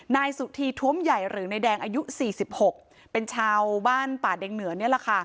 นายสุธีท้วมใหญ่หรือนายแดงอายุ๔๖เป็นชาวบ้านป่าแดงเหนือนี่แหละค่ะ